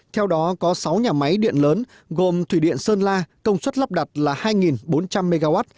theo đó có sáu nhà máy điện lớn gồm thủy điện sơn la công suất lắp đặt là hai bốn trăm linh mw